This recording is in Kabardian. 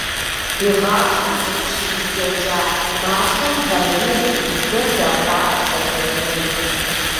И гъащӀэм зыкъыщридзэкӀа махуэм балигъ дыдэ дэхъуат Сэтэней.